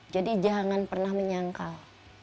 jadi jangan pernah menyangkal